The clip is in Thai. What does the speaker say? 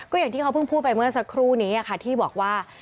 อย่างที่เขาเพิ่งพูดไปเมื่อสักครู่นี้ค่ะที่บอกว่า